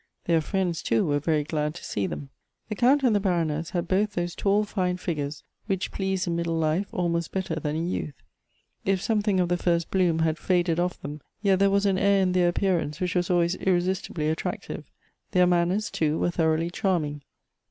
Their friends too were very glad to see them. The Count and the Baroness had both those tail fine figures which please in middle life almost better than in youth. If something of the first bloom had faded off them, yet there was an air in their appearance which was always in esistibly attractive. Their manners too were thoroughly charming.